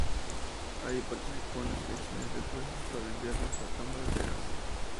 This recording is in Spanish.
Allí participó en selecciones de presos para enviarlos a las cámaras de gas.